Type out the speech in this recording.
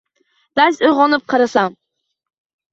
Dast uygʻonib qarasam